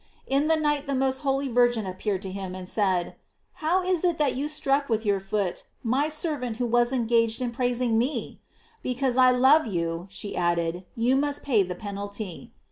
In the night the most holy Virgin appeared to him, and said: ''How is it that you struck with your foot my servant who was engaged in praising me? Because I love you, "she added, "you must pay the penalty."